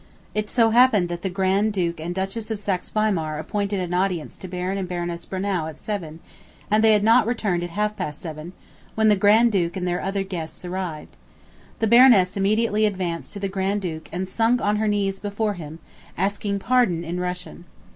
It so happened that the Grand Duke and Duchess of Saxe Weimar appointed an audience to Baron and Baroness Brunnow at seven, and they had not returned at half past seven, when the Grand Duke and their other guests arrived. The Baroness immediately advanced to the Grand Duke and sunk on her knees before him, asking pardon in Russian.